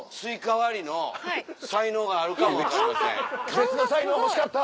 別の才能欲しかった。